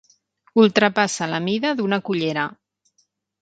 Ultrapassa la mida d'una cullera.